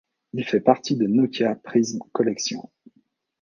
Il fait partie de Nokia Prism Collection.